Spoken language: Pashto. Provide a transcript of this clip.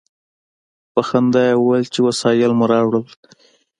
په خندا یې وویل چې وسایل مو راوړل.